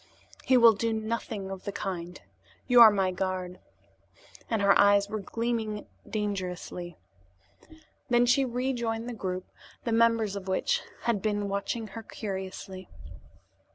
"He will do nothing of the kind. You are my guard," and her eyes were gleaming dangerously. Then she rejoined the group, the members of which had been watching her curiously.